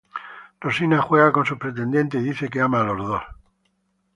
Rosina juega con sus pretendientes y dice que ama a los dos.